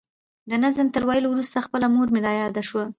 د نظم تر ویلو وروسته خپله مور مې را یاده شوه.